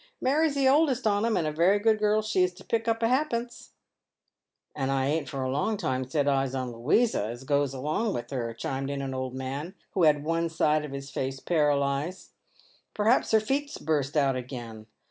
Mary's the oldest on 'em, and a very good girl she is to pick up ha'pence." " And I ain't for a long time set eyes on Louisa as goes along with her," chimed in an old man, who had one side of his face paralysed; 78 PAVED WITH GOLD. " perhaps her feet's burst "out agin.